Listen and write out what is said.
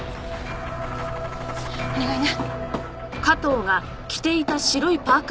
お願いね。